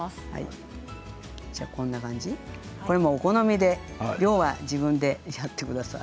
これも、お好みで量は自分でやってください。